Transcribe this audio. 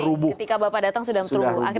ketika bapak datang sudah terubuk